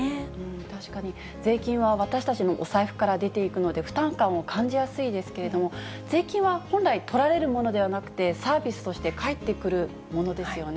確かに税金は、私たちのお財布から出ていくので、負担感を感じやすいですけれども、税金は本来、取られるものではなくて、サービスとして返ってくるものですよね。